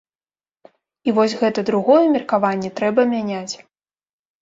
І вось гэта другое меркаванне трэба мяняць.